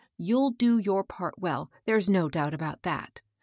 Toirll do your part well, — there's no doubt about that.